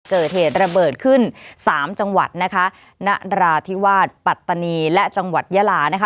เกิดเหตุระเบิดขึ้นสามจังหวัดนะคะนราธิวาสปัตตานีและจังหวัดยาลานะคะ